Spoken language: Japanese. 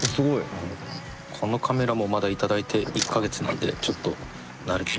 このカメラもまだ頂いて１か月なんでちょっと慣れてないですけど。